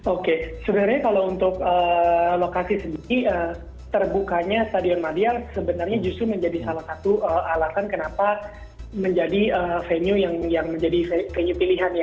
oke sebenarnya kalau untuk lokasi sendiri terbukanya stadion madia sebenarnya justru menjadi salah satu alasan kenapa menjadi venue yang menjadi venue pilihan ya